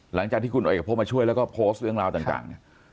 หลังจากที่คุณเอกพบมาช่วยแล้วก็โพสต์เรื่องราวต่างเนี่ย